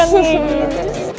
sini berantakan terus